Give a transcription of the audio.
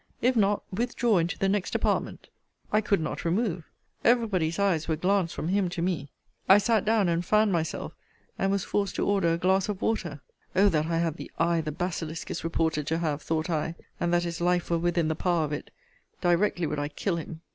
If not, withdraw into the next apartment. I could not remove. Every body's eyes were glanced from him to me. I sat down and fanned myself, and was forced to order a glass of water. Oh! that I had the eye the basilisk is reported to have, thought I, and that his life were within the power of it! directly would I kill him.